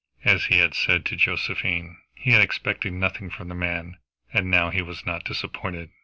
As he had said to Josephine, he had expected nothing from the man, and now he was not disappointed.